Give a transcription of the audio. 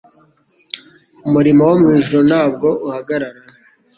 Umurimo wo mu ijuru ntabwo uhagarara,